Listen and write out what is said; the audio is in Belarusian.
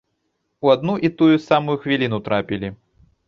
У адну і тую самую хвіліну трапілі.